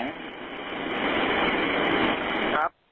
ครับ